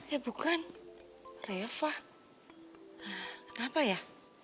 ya bukan refah kenapa ya